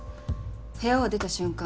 部屋を出た瞬間